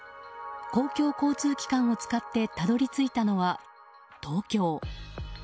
公共交通機関を使ってたどり着いたのは、東京。